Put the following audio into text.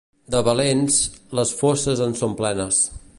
De valents, les fosses en són plenes.